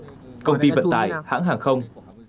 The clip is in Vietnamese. công ty vận tải hãng hàng không